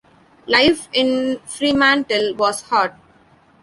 Life in Fremantle was hard.